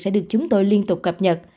sẽ được chúng tôi liên tục cập nhật